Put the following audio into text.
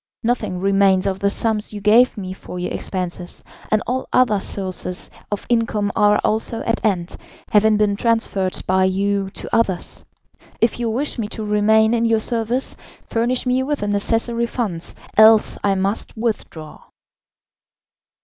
Nothing remains of the sums you gave me for your expenses, and all other sources of income are also at end, having been transferred by you to others. If you wish me to remain in your service, furnish me with the necessary funds, else I must withdraw."